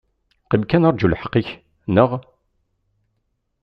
Qim kan aṛǧu lḥeq-ik, neɣ?